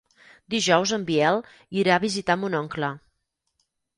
Dijous en Biel irà a visitar mon oncle.